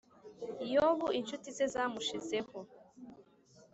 yobu inshuti ze zamushizeho